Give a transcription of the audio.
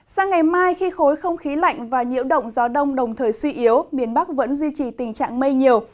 sang ngày mai khi khối không khí lạnh và nhiễu động gió đông đồng thời suy yếu miền bắc vẫn duy trì tình trạng mây nhiều